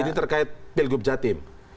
ini terkait pilgub jatim